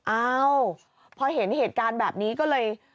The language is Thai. อ้าวพอเห็นเหตุการณ์แบบนี้ก็เลย